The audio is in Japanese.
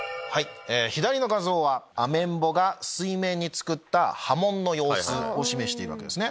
左の画像はアメンボが水面につくった波紋の様子を示しているわけですね。